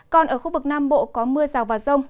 còn ở khu vực nam bộ có mưa rào và rông